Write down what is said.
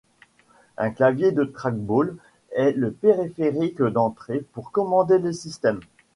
Un clavier avec trackball est le périphérique d'entrée pour commander le système.